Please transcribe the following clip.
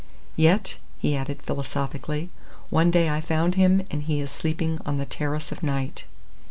Yet," he added philosophically, "one day I found him and he is sleeping on the Terrace of Night."